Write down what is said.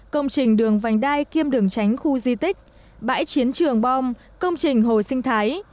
công trình đường vành đai kiêm đường tránh khu di tích bãi chiến trường bom công trình hồ sinh thái